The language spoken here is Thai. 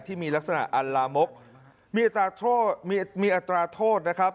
ที่มีลักษณะอันลามกมีอัตราโทษนะครับ